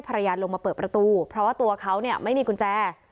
ภรรยาลงมาเปิดประตูเพราะว่าตัวเขาเนี่ยไม่มีกุญแจ